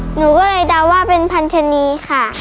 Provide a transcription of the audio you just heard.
หนูก็เลยเดาว่าเป็นพันธนีค่ะ